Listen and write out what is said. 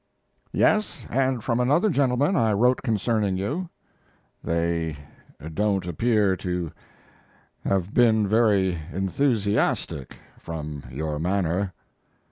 "Yes, and from another gentleman I wrote concerning you." "They don't appear to have been very enthusiastic, from your manner."